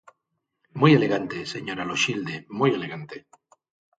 Moi elegante, señora Loxilde, moi elegante.